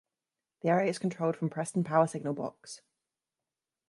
The area is controlled from Preston Power Signal Box.